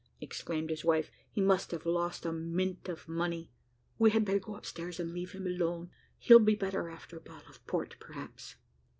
exclaimed his wife, "he must have lost a mint of money we had better go upstairs and leave him alone; he'll be better after a bottle of port, perhaps."